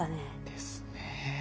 ですね。